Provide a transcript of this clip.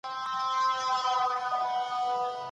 د پښتو تورو د سم استعمال لپاره املا ګټوره لاره ده.